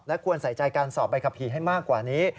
ควรใส่ใจการสอบใบขับขี่ให้มากกว่านี้